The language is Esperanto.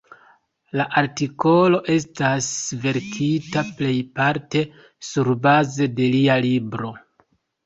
La artikolo estas verkita plejparte surbaze de lia libro.